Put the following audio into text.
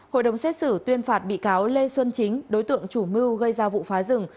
hội đồng xét xử tuyên phạt bị cáo lê xuân chính đối tượng chủ mưu gây ra vụ phá rừng